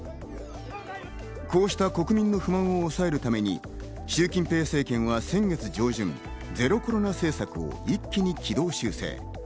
こうした国民の不満を抑えるためにシュウ・キンペイ政権は先月上旬、ゼロコロナ政策を一気に軌道修正。